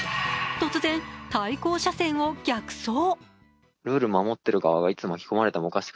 突然、対向車線を逆走。